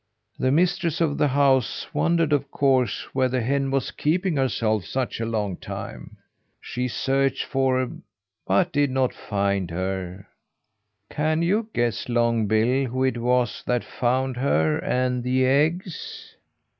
The mistress of the house wondered, of course, where the hen was keeping herself such a long time. She searched for her, but did not find her. Can you guess, Longbill, who it was that found her and the eggs?"